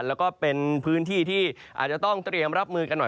แล้วก็เป็นพื้นที่ที่อาจจะต้องเตรียมรับมือกันหน่อย